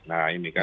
nah ini kan